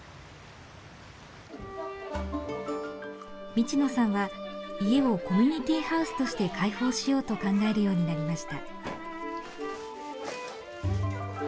道野さんは家をコミュニティーハウスとして開放しようと考えるようになりました。